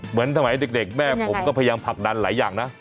เหมือนสมัยเด็กแม่ผมก็พยายามผลักดันหลายอย่างนะ